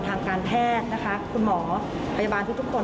ทางการแพทย์นะคะคุณหมอพยาบาลทุกคน